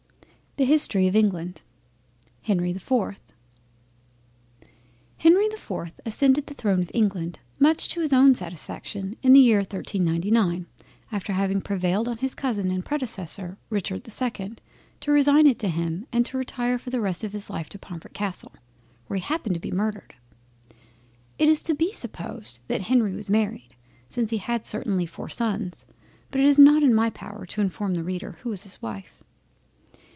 THE HISTORY OF ENGLAND HENRY the 4th Henry the 4th ascended the throne of England much to his own satisfaction in the year 1399, after having prevailed on his cousin and predecessor Richard the 2nd, to resign it to him, and to retire for the rest of his life to Pomfret Castle, where he happened to be murdered. It is to be supposed that Henry was married, since he had certainly four sons, but it is not in my power to inform the Reader who was his wife.